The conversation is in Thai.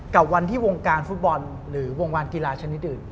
กับวันที่วงการฟุตบอลหรือวงการกีฬาชนิดอื่น